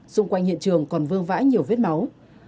xung quanh hiện trường còn vương vãi nhiều vết máu